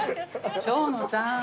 生野さん。